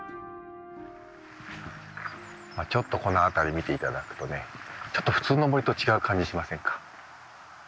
ちょっとこの辺り見ていただくとねちょっと普通の森と違う感じしませんか。